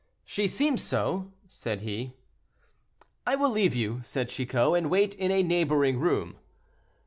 "She seems so," said he. "I will leave you," said Chicot, "and wait in a neighboring room."